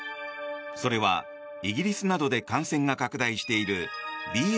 それはイギリスなどで感染が拡大しているＢＡ